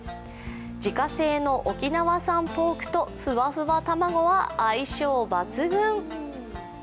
自家製の沖縄産ポークとふわふわ卵は相性抜群。